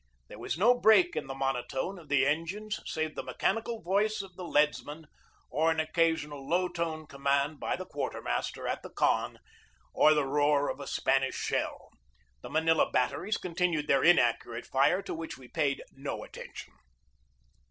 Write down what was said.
There was no break in the monotone of 2i4 GEORGE DEWEY the engines save the mechanical voice of the leads man or an occasional low toned command by the quartermaster at the conn, or the roar of a Spanish shell. The Manila batteries continued their inac curate fire, to which we paid no attention.